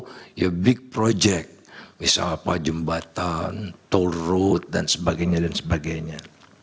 jadi itu adalah proyek besar misalnya jembatan turut dan sebagainya